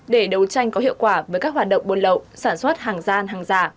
để đấu tranh có hiệu quả với các hoạt động buôn lậu sản xuất hàng gian hàng giả